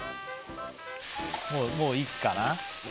もういっかな？